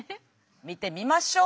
見てみましょう！